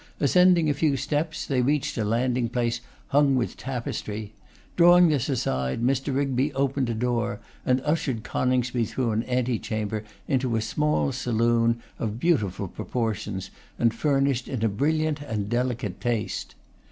Ascending a few steps, they reached a landing place hung with tapestry. Drawing this aside, Mr. Rigby opened a door, and ushered Coningsby through an ante chamber into a small saloon, of beautiful proportions, and furnished in a brilliant and delicate taste.